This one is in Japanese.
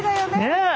ねえ。